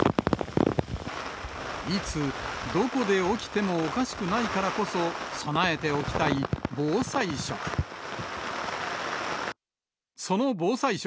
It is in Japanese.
いつ、どこで起きてもおかしくないからこそ、備えておきたい防災食。